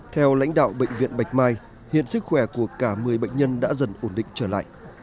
theo lãnh đạo bệnh viện bạch mai hiện sức khỏe của cả một mươi bệnh nhân đã dần ổn định trở lại